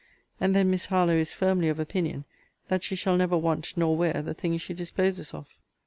And then Miss Harlowe is firmly of opinion, that she shall never want nor wear the thing she disposes of.